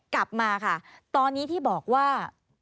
กลับมาค่ะตอนนี้ที่บอกว่า